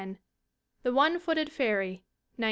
The One Footed Fairy, 1911.